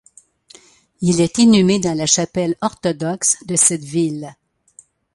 Il est inhumé dans la chapelle orthodoxe de cette ville.